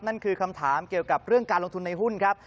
นั่นคือคำถามเกี่ยวกับเรื่องการลงทุนในหุ้นครับ